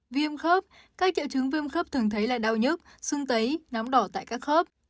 viêm khớp các triệu trứng viêm khớp thường thấy là đau nhất xương tấy nóng đỏ tại các khớp